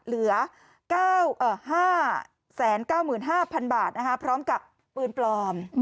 เหลือ๕๙๕๐๐๐บาทพร้อมกับปืนปลอม